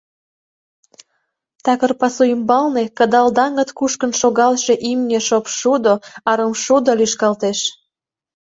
Такыр пасу ӱмбалне кыдал даҥыт кушкын шогалше имне шопшудо, арымшудо лӱшкалтеш.